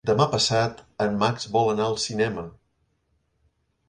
Demà passat en Max vol anar al cinema.